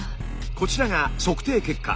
こちらが測定結果。